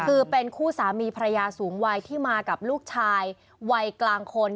คือเป็นคู่สามีภรรยาสูงวัยที่มากับลูกชายวัยกลางคน